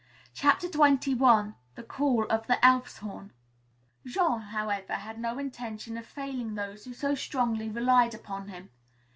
CHAPTER XXI THE CALL OF THE ELF'S HORN Jean, however, had no intention of failing those who so strongly relied upon him.